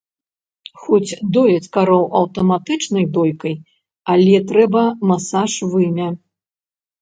Хоць дояць кароў аўтаматычнай дойкай, але трэба масаж вымя.